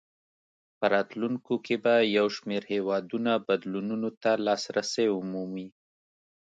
په راتلونکو کې به یو شمېر هېوادونه بدلونونو ته لاسرسی ومومي.